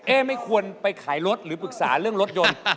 ไม่ควรไปขายรถหรือปรึกษาเรื่องรถยนต์